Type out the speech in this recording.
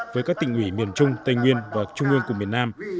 với các tỉnh ủy miền trung tây nguyên và trung ương của miền nam